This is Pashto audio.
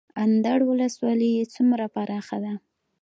اندړ ولسوالۍ څومره پراخه ده؟